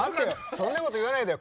そんなこと言わないでよ。